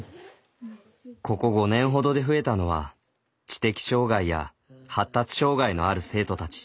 ここ５年ほどで増えたのは知的障害や発達障害のある生徒たち。